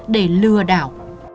để lừa đảo